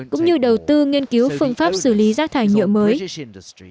cũng như đầu tư nghiên cứu phương pháp xử lý rác thải nhựa mới